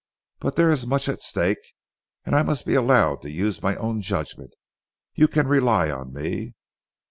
But there is much at stake and I must be allowed to use my own judgment. You can rely on me."